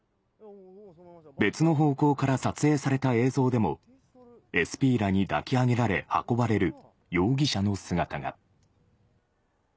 別の方向から撮影された映像でも、ＳＰらに抱き上げられ運ばれる容疑者の姿が。